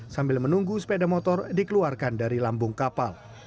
sambil menunggu sepeda motor dikeluarkan dari lambung kapal